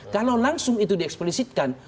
kalau langsung itu dieksplisitkan